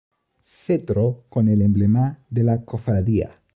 Cetro con el emblema de la Cofradía.